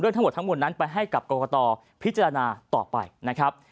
ทั้งหมดทั้งมวลนั้นไปให้กับกรกตพิจารณาต่อไปนะครับ